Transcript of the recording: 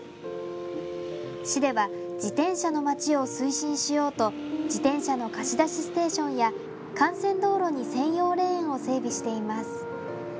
市では自転車のまちを推進しようと自転車の貸し出しステーションや幹線道路に専用レーンを整備しています。